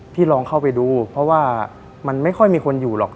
ลองเข้าไปดูเพราะว่ามันไม่ค่อยมีคนอยู่หรอก